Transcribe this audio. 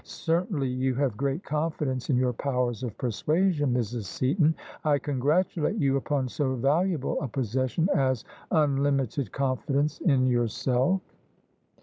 Certainly you have great confidence in your powers of persuasion, Mrs. Seaton : I congratulate you upon so valuable a posses sion as unlimited confidence in yourself."